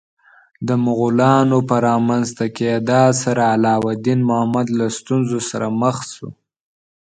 د مغولانو په رامنځته کېدا سره علاوالدین محمد له ستونزو سره مخ شو.